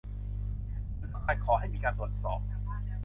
ฉันต้องการขอให้มีการตรวจสอบ